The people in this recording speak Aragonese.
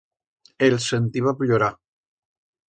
Els sentiba pllorar.